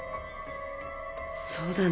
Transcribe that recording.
そうだね。